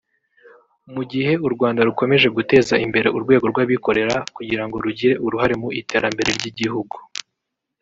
Mu gihe u Rwanda rukomeje guteza imbere urwego rw’abikorera kugira ngo rugire urahare mu iterambere ry’igihugu